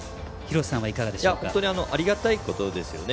本当にありがたいことですよね。